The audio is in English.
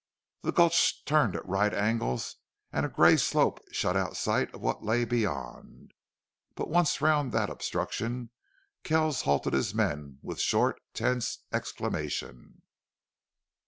The gulch turned at right angles and a great gray slope shut out sight of what lay beyond. But, once round that obstruction, Kells halted his men with short, tense exclamation.